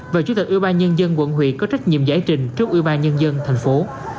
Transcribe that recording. và chủ tịch ubnd quận hủy có trách nhiệm giải trình trước ubnd thành phố